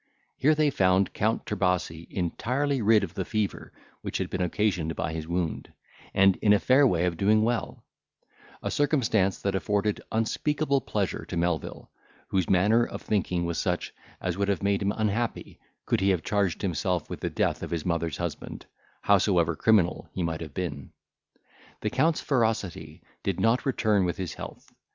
Here they found Count Trebasi entirely rid of the fever which had been occasioned by his wound, and in a fair way of doing well; a circumstance that afforded unspeakable pleasure to Melvil, whose manner of thinking was such, as would have made him unhappy, could he have charged himself with the death of his mother's husband, howsoever criminal he might have been. The Count's ferocity did not return with his health.